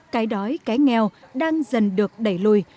cái đói cái nghèo đang dần được đẩy lùi